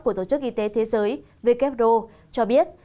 của tổ chức y tế thế giới cho biết